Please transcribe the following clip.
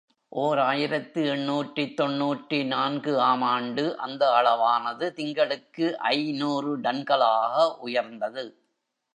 ஓர் ஆயிரத்து எண்ணூற்று தொன்னூற்று நான்கு ஆம் ஆண்டு அந்த அளவானது, திங்களுக்கு ஐநூறு டன்களாக உயர்ந்தது.